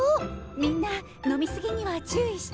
みんな飲み過ぎには注意して。